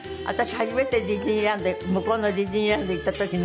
初めてディズニーランド向こうのディズニーランド行った時ね